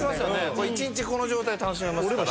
これ１日この状態楽しめますから。